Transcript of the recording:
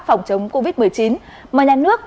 phòng chống covid một mươi chín mà nhà nước